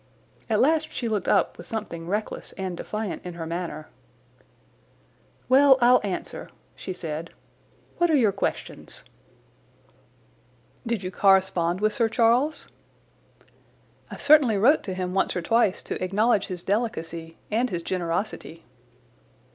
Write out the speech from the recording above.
At last she looked up with something reckless and defiant in her manner. "Well, I'll answer," she said. "What are your questions?" "Did you correspond with Sir Charles?" "I certainly wrote to him once or twice to acknowledge his delicacy and his generosity."